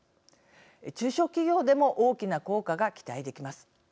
中小企業でも大きな効果が期待できます。